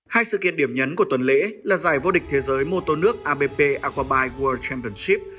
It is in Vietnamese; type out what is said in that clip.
hai sự kiện điểm nhấn của tuần lễ là giải vô địch thế giới mô tô nước abp aquabyte world championship